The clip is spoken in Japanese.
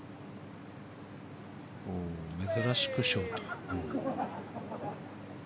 珍しくショート。